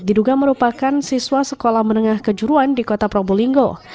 diduga merupakan siswa sekolah menengah kejuruan di kota probolinggo